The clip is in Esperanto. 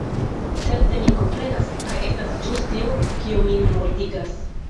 Certe mi komprenas: kaj estas ĵus tio, kio min mortigas.